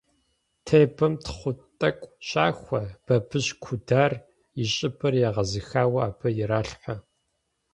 Тебэм тхъу тӀэкӀу щахуэ, бабыщ кудар, и щӀыбыр егъэзыхауэ, абы иралъхьэ.